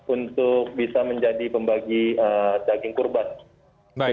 untuk bisa menjadi pembagi daging kurban